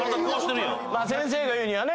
先生が言うにはね